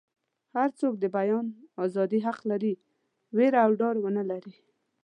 هر څوک د بیان ازادي حق لري ویره او ډار ونه لري.